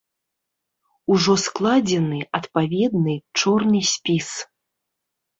Ужо складзены адпаведны чорны спіс.